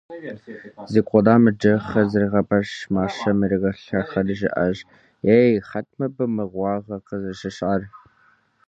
Зы къудамэ кӀыхь зригъэпэщщ, мащэм иригъэлэлэхри жиӀащ: - Ей, хэт мыбы мыгъуагъэ къызыщыщӀар?